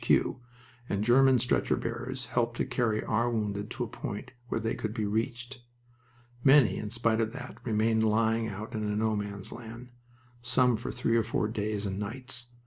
Q., and German stretcher bearers helped to carry our wounded to a point where they could be reached. Many, in spite of that, remained lying out in No Man's Land, some for three or four days and nights.